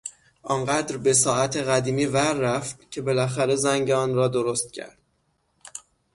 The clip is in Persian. آن قدر به ساعت قدیمی ور رفت که بالاخره زنگ آن را درست کرد.